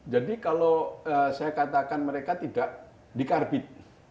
jadi kalau saya katakan mereka tidak dikarbin